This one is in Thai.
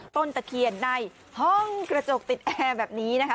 ตะเคียนในห้องกระจกติดแอร์แบบนี้นะคะ